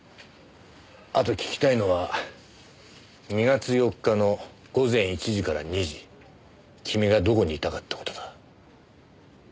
あと聞きたいのは２月４日の午前１時から２時君がどこにいたかって事だ。